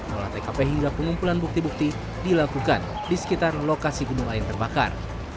olah tkp hingga pengumpulan bukti bukti dilakukan di sekitar lokasi gunung air terbakar